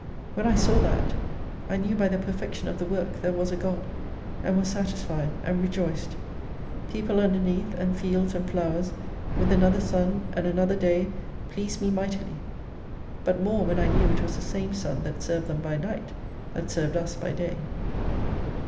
When I saw that, I knew by the perfection of the work there was a God, and was satis fied, and rejoiced. People underneath, and fields and flowers, with another sun and another day, pleased me mightily : but more when I knew it was the same sun that served them by night, that served us by day.